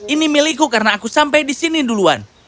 ini milikku karena aku sampai di sini duluan